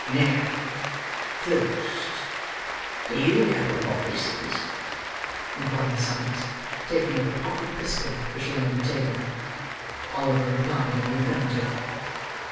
"Now, first: do you know wot this is?" inquired Sikes, taking up a pocket pistol which lay on the table. Oliver replied in the affirmative.